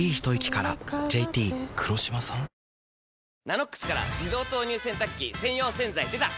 「ＮＡＮＯＸ」から自動投入洗濯機専用洗剤でた！